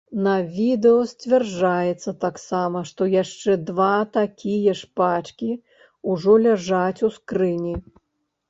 На відэа сцвярджаецца таксама, што яшчэ два такія ж пачкі ўжо ляжаць у скрыні.